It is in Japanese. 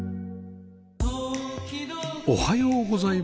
おはようございます。